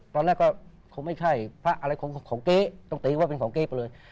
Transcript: ตอนแรกก็คงไม่ใช่พระอะไรของเก๊ต้องตีว่าเป็นของเก๊ไปเลย